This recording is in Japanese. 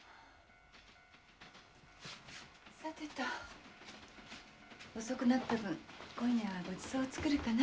さてと遅くなった分今夜はごちそう作るかな。